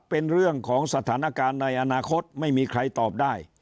เป็นเรื่องของสถานการณ์ในอนาคตไม่มีใครตอบได้